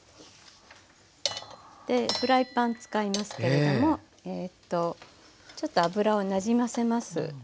でフライパン使いますけれどもちょっと油をなじませます。